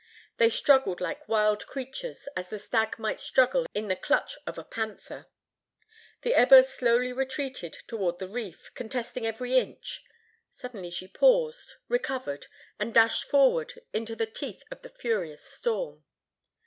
They struggled like wild creatures; as the stag might struggle in the clutch of a panther. The Eber slowly retreated toward the reef, contesting every inch. Suddenly she paused, recovered, and dashed forward into the teeth of the furious storm.